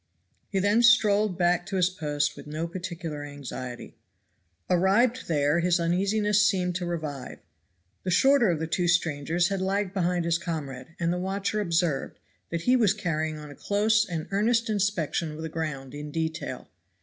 He then strolled back to his post with no particular anxiety. Arrived there his uneasiness seemed to revive. The shorter of the two strangers had lagged behind his comrade, and the watcher observed, that he was carrying on a close and earnest inspection of the ground in detail.